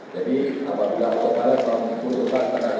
jadi apabila autopilot sudah mencuri tenaga mesin tertentu